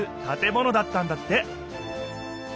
建物だったんだって。